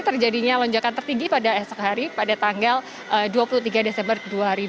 dan terjadinya lonjakan tertigi pada esok hari pada tanggal dua puluh tiga desember dua ribu dua puluh dua